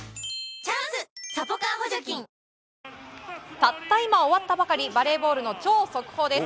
たった今終わったばかりバレーボールの超速報です。